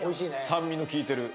酸味の効いてる。